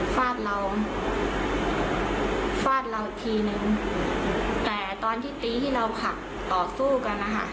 ฟาดเราฟาดเราทีนึงแต่ตอนที่ตีที่เราขับต่อสู้กันนะคะ